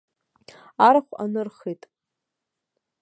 Арахә анырхит.